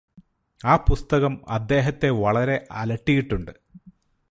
ആ പുസ്തകം അദ്ദേഹത്തെ വളരെ അലട്ടിയിട്ടുണ്ട്